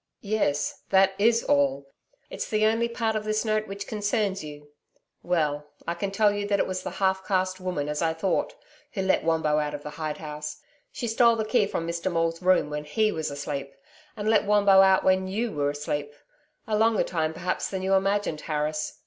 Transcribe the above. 'Yes, that IS all. It's the only part of this note which concerns you. Well, I can tell you that it was the half caste woman, as I thought, who let Wombo out of the hide house. She stole the key from Mr Maule's room when HE was asleep, and let Wombo out when YOU were asleep a longer time perhaps than you imagined, Harris.